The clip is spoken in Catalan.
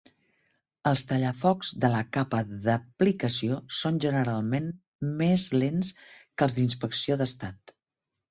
Els tallafocs de la capa d'aplicació són generalment més lents que els d'inspecció d'estat.